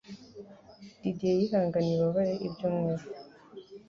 Didier yihanganiye ububabare ibyumweru